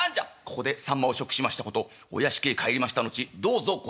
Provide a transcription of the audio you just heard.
「ここでさんまを食しましたことお屋敷へ帰りました後どうぞご内密に」。